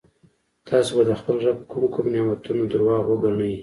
تاسو به د خپل رب کوم کوم نعمتونه درواغ وګڼئ.